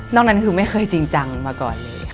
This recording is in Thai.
นั้นคือไม่เคยจริงจังมาก่อนเลย